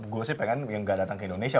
gue sih pengen yang gak datang ke indonesia